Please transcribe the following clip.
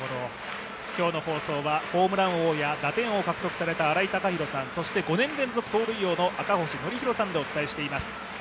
今日の放送はホームラン王や打点王を獲得された新井貴浩さん、そして５年連続盗塁王の赤星憲広さんでお伝えしています。